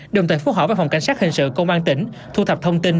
đồng thời phút họ và phòng cảnh sát hình sự công an tỉnh thu thập thông tin